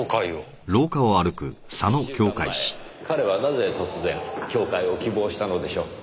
１週間前彼はなぜ突然教誨を希望したのでしょう？